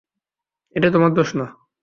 এটা তোমার দোষ না।